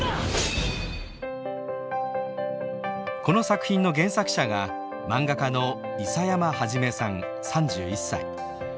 この作品の原作者が漫画家の諫山創さん３１歳。